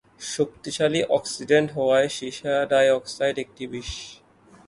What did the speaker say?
শক্তিশালী অক্সিড্যান্ট হওয়ায় সীসা ডাই অক্সাইড একটি বিষ।